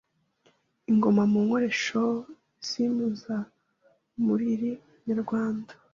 Ingoma mu nkoresho z’impuzamuriri nyarwanda